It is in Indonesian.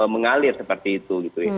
mengalir seperti itu